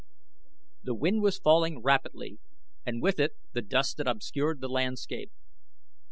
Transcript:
The wind was falling rapidly and with it the dust that obscured the landscape.